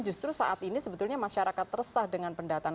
justru saat ini sebetulnya masyarakat resah dengan pendataan